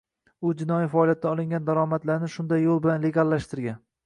U jinoiy faoliyatdan olingan daromadlarini shunday yo‘l bilan legallashtirgan